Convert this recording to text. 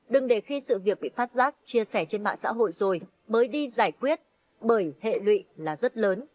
đừng để khi sự việc bị phát giác chia sẻ trên mạng xã hội rồi mới đi giải quyết bởi hệ lụy là rất lớn